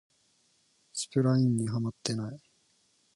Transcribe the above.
スプラインにハマってない